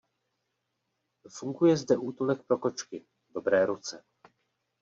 Funguje zde útulek pro kočky Dobré ruce.